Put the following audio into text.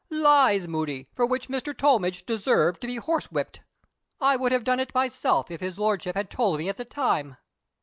"Lies, Moody, for which Mr. Tollmidge deserved to be horsewhipped. I would have done it myself if his Lordship had told me at the time.